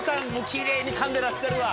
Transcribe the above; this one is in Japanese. キレイに噛んでらっしゃるわ。